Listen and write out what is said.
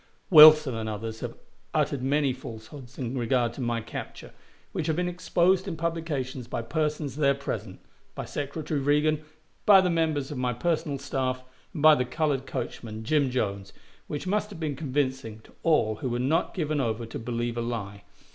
Wilson and others have uttered many falsehoods in regard to my capture, which have been exposed in publications by persons there present by Secretary Reagan, by the members of my personal staff, and by the colored coachman, Jim Jones, which must have been convincing to all who were not given over to believe a lie.